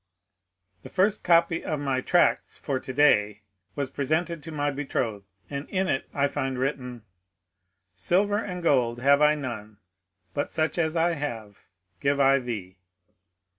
The first copy of my " Tracts for To day " was presented to my betrothed, and in it I find written :^^ Silver and gold have I none, but such as I have give I thee."